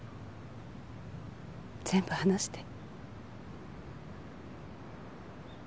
全部話して。